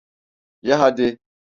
Ye hadi!